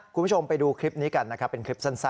คุณผู้ชมไปดูคลิปนี้กันเป็นคลิปสั้นครับ